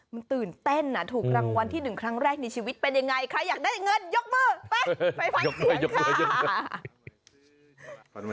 มันตื่นเต้นถูกรางวัลที่๑ครั้งแรกในชีวิตเป็นยังไงใครอยากได้เงินยกมือไปไปฟังเสียงค่ะ